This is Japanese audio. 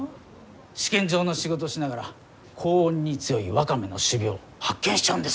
試験場の仕事しながら高温に強いワカメの種苗発見しちゃうんですから。